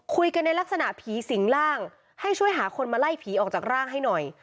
คุยกันในลักษณะผีสิงร่างให้ช่วยหาคนมาไล่ผีออกจากร่างให้หน่อย